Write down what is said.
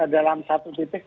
dalam satu titik